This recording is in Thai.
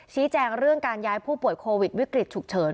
ชี้แจงเรื่องการย้ายผู้ป่วยโควิดวิกฤตฉุกเฉิน